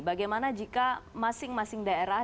bagaimana jika masing masing daerah